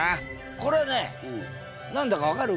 これね何だか分かる？